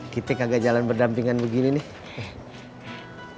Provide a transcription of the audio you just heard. kita kagak jalan berdampingan begini nih